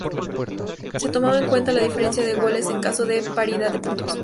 Se tomaba en cuenta la diferencia de goles en caso de paridad de puntos.